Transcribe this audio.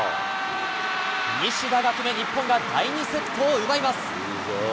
西田が決め、日本が第２セットを奪います。